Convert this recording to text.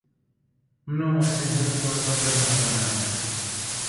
من و موحسین هەردووکمان زۆر کەم هاوڕێمان هەیە.